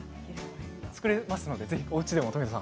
作れますのでぜひおうちでも富田さん。